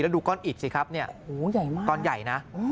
ดูก้อนอิดสิครับเนี่ยก้อนใหญ่นะ